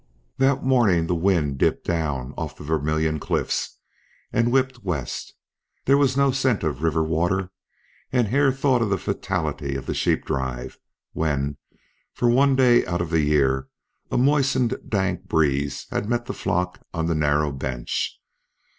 That morning the wind dipped down off the Vermillion Cliffs and whipped west; there was no scent of river water, and Hare thought of the fatality of the sheep drive, when, for one day out of the year, a moistened dank breeze had met the flock on the narrow bench.